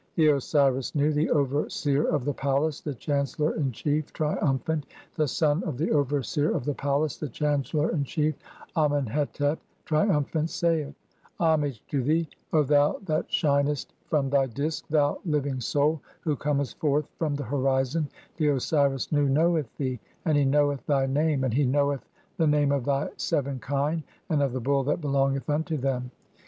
The Osiris Nu, the over seer of the palace, the chancellor in chief, triumphant, the son of the overseer of the palace, the chancellor in chief, Amen hetep, triumphant, saith :— (2) "Homage to thee, O thou that shinest from thy Disk, thou "living [Soul] who comest forth from the horizon, the Osiris Nu "knoweth thee, and he knoweth thy name, and he knoweth the "name of (3) thy seven kine and of the bull that belongeth unto "them.